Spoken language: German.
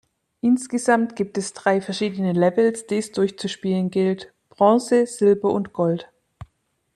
Insgesamt gibt es drei verschiedene Levels, die es durchzuspielen gilt: Bronze, Silber und Gold.